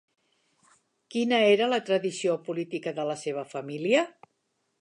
Quina era la tradició política de la seva família?